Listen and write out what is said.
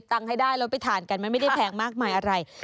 มีตังค์ให้ได้เราไปถ่านกันมันไม่ได้แพงมากมายอะไร